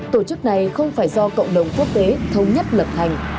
tổ chức này không phải do cộng đồng quốc tế thống nhất lập hành